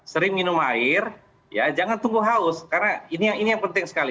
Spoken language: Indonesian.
sering minum air ya jangan tunggu haus karena ini yang penting sekali